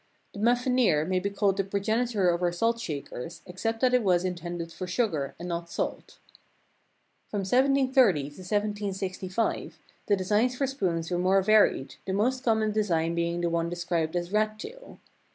The Muffineer may be called the progenitor of our salt shakers, except that it was intended for sugar and not salt. From 1730 to 1765, the designs for spoons were more [2 7 ] more varied, the most common design being the one described as "rat tail."